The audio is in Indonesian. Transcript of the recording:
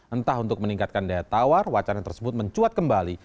entah untuk meningkatkan daya tawar wacana tersebut mencuat kembali